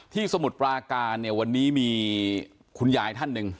สมุทรปราการเนี่ยวันนี้มีคุณยายท่านหนึ่ง